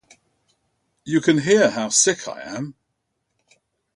You can hear how sick I am.